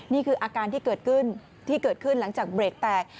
นี่คืออาการที่เกิดขึ้นที่เกิดขึ้นหลังจากเบรกแตก